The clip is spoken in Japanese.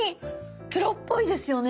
プロっぽいですよね？